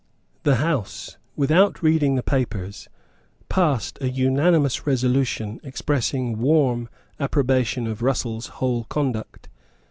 The House, without reading the papers, passed an unanimous resolution expressing warm approbation of Russell's whole conduct.